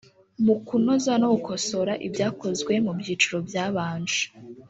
mu kunoza no gukosora ibyakozwe mu byiciro byabanje